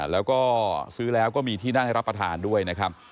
แล้วก็ซื้อแล้วก็มีที่นั่งให้รับประทานด้วยนะครับ